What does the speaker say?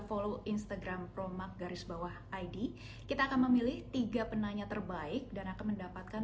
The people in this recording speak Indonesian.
follow instagram promak garis bawah id kita akan memilih tiga penanya terbaik dan akan mendapatkan